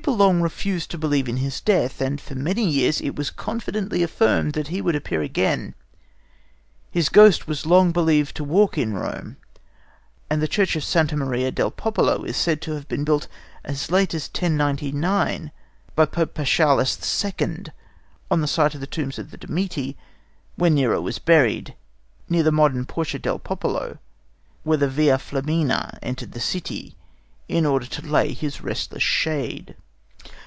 People long refused to believe in his death, and for many years it was confidently affirmed that he would appear again. His ghost was long believed to walk in Rome, and the church of Santa Maria del Popolo is said to have been built as late as 1099 by Pope Paschalis II. on the site of the tombs of the Domitii, where Nero was buried, near the modern Porta del Popolo, where the Via Flaminia entered the city, in order to lay his restless shade.